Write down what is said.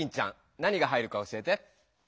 何が入るか教えて。